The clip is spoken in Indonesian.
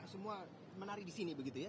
semua menari di sini begitu ya